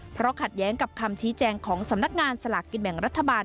เพราะขัดแย้งกับคำชี้แจงของสำนักงานสลากกินแบ่งรัฐบาล